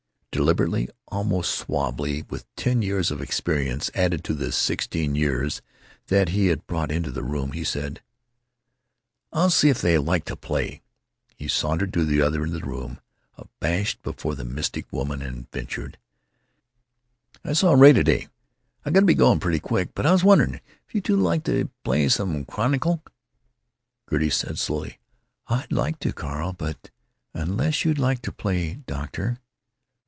Deliberately, almost suavely, with ten years of experience added to the sixteen years that he had brought into the room, he said: "I'll see if they'd like to play." He sauntered to the other end of the room, abashed before the mystic woman, and ventured: "I saw Ray, to day.... I got to be going, pretty quick, but I was wondering if you two felt like playing some crokinole?" Gertie said, slowly: "I'd like to, Carl, but——Unless you'd like to play, doctor?"